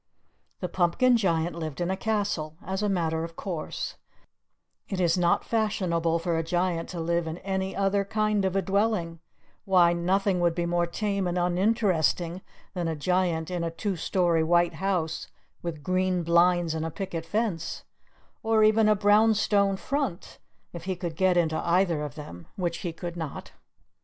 The Pumpkin Giant lived in a castle, as a matter of course; it is not fashionable for a giant to live in any other kind of a dwelling why, nothing would be more tame and uninteresting than a giant in a two story white house with green blinds and a picket fence, or even a brown stone front, if he could get into either of them, which he could not.